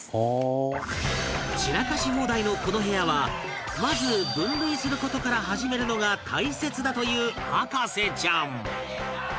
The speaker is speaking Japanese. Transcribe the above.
散らかし放題のこの部屋はまず、分類する事から始めるのが大切だという博士ちゃん